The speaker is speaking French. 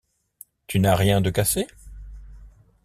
Tu n’as rien de cassé?